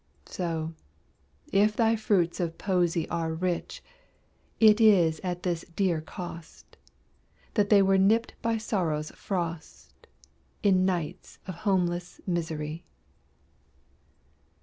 So, if thy fruits of Poesy Are rich, it is at this dear cost That they were nipt by Sorrow's frost, In nights of homeless misery.